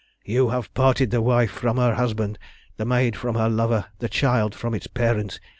"You have parted the wife from her husband, the maid from her lover, the child from its parents.